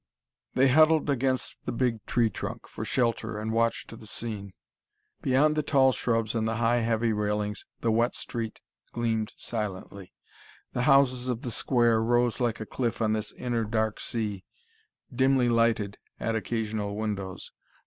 They huddled against the big tree trunk, for shelter, and watched the scene. Beyond the tall shrubs and the high, heavy railings the wet street gleamed silently. The houses of the Square rose like a cliff on this inner dark sea, dimly lighted at occasional windows.